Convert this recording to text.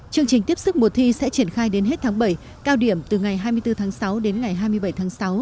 chương trình tiếp sức mùa thi sẽ triển khai đến hết tháng bảy cao điểm từ ngày hai mươi bốn tháng sáu đến ngày hai mươi bảy tháng sáu